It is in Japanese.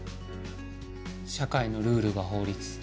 社会のルールが法律。